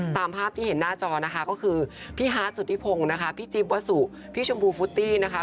ตามภาพที่เห็นหน้าจอนะคะก็คือพี่ฮาร์ดสุธิพงศ์นะคะพี่จิ๊บวสุพี่ชมพูฟุตตี้นะคะ